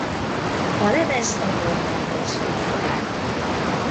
A lemezt a Warner Bros. publikálta.